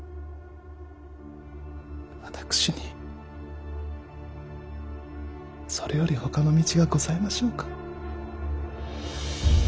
私にそれよりほかの道がございましょうか。